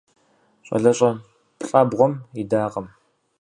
Щӏалэщӏэ плӏабгъуэм идакъым.